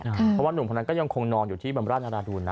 เพราะว่านุ่มคนนั้นก็ยังคงนอนอยู่ที่บำราชนาราดูนนะ